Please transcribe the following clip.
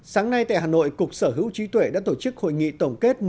sáng nay tại hà nội cục sở hữu trí tuệ đã tổ chức hội nghị tổng kết